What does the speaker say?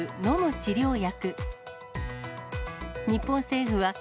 治療薬。